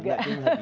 tidak kirimlah dia